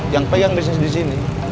yang pegang desain disini